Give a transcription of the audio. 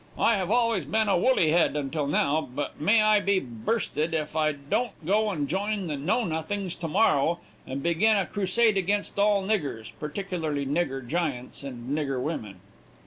I have always been a "woolly head" until now, but may I be bursted if I don't go and join the Know Nothings to morrow, and begin a crusade against all niggers particularly nigger giants and nigger women.